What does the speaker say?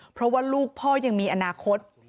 เพราะว่าลูกพ่อยังมีอนาคต